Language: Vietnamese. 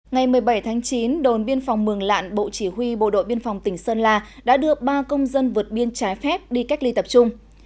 ngày một mươi bảy tháng chín đồn biên phòng mường lạn bộ chỉ huy bộ đội biên phòng tỉnh sơn la đã đưa ba công dân vượt biên trái phép đi cách ly tập trung